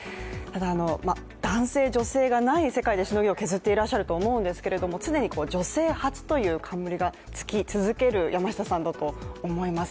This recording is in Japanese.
男性、女性がない世界でしのぎを削ってらっしゃると思うんですけど常に女性初という冠がつき続ける山下さんだと思います。